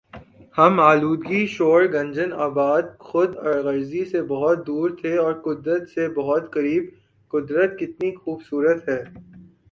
ہم آلودگی شور گنجان آبادی خود غرضی سے بہت دور تھے اور قدرت سے بہت قریب قدرت کتنی خوب صورت ہے